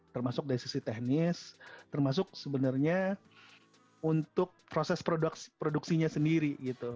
termasuk dari sisi teknis termasuk sebenarnya untuk proses produksinya sendiri